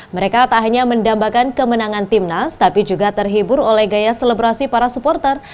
mereka tak hanya mendambakan kemenangan timnas tapi juga terhibur oleh gaya selebrasi para supporter